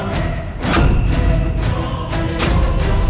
cepat kejar dia